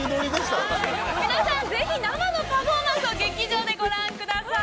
◆皆さんぜひ生のパフォーマンスを劇場でご覧ください。